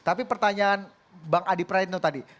tapi pertanyaan bang adi praetno tadi